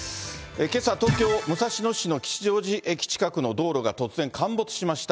けさ、東京・武蔵野市の吉祥寺駅近くの道路が突然陥没しました。